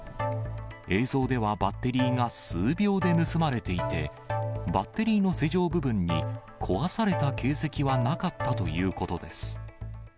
映像ではバッテリーが数秒で盗まれていて、バッテリーの施錠部分に壊された形跡はなかったということです。